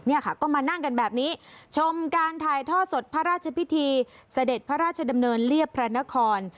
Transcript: เนี่ยค่ะก็มานั่งกันแบบนี้ชมการถ่ายท่อสดพระราชพิธีเสด็จพระราชดำเนินเรียบพระนคร